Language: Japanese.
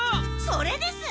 それです！